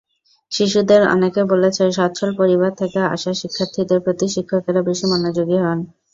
শিশুদের অনেকে বলেছে, সচ্ছল পরিবার থেকে আসা শিক্ষার্থীদের প্রতি শিক্ষকেরা বেশি মনোযোগী হন।